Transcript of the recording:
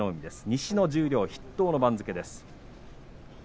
西の十両筆頭の番付です。